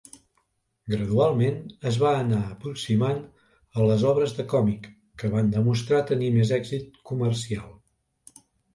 Gradualment es va anar aproximant a les obres de còmic, que van demostrar tenir més èxit comercial.